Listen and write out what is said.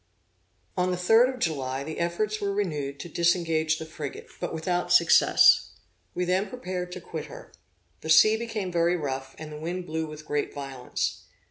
On the 3d of July, the efforts were renewed to disengage the frigate, but without success. We then prepared to quit her. The sea became very rough, and the wind blew with great violence.